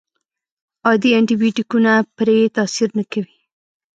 عادي انټي بیوټیکونه پرې تاثیر نه کوي.